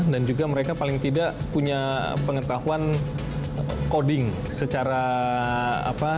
dan paling tidak mereka juga punya pengetahuan coding secara praktis